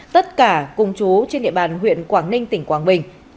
tất cả cùng chú trên địa bàn huyện quảng ninh tỉnh quảng bình